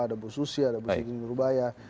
ada bu susya ada bu siking ada bu rubaya